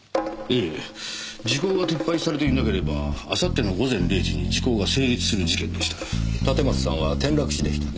ええ時効が撤廃されていなければあさっての午前０時に時効が成立する事件でした。